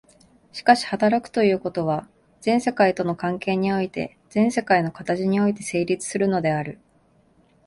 しかし働くということは、全世界との関係において、全世界の形において成立するのである。